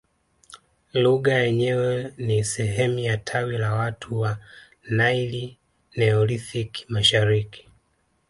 Lugha yenyewe ni sehemu ya tawi la watu wa Naili Neolithic mashariki